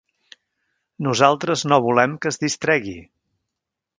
Nosaltres no volem que es distregui